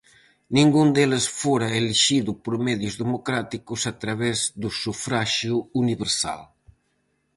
Ningún deles fora elixido por medios democráticos a través do sufraxio universal.